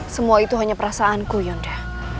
semua itu hanya perasaanku yanda